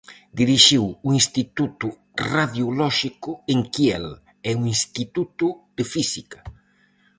Dirixiu o Instituto Radiolóxico en Kiel e o Instituto de Física.